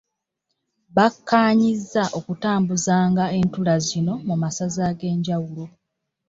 Bakkaanyizza okutambuzanga entuula zino mu masaza ag'enjawulo